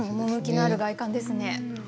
趣のある外観ですね。